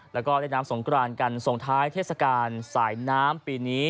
แล้วก็เล่นน้ำสงกรานกันส่งท้ายเทศกาลสายน้ำปีนี้